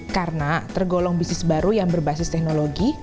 karena tergolong bisnis baru yang berbasis teknologi